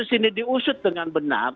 sini diusut dengan benar